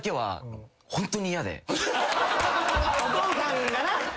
お父さんがな。